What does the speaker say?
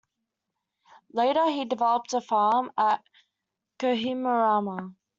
Later he developed a farm at Kohimarama.